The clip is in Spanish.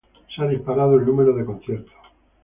el número de conciertos se ha disparado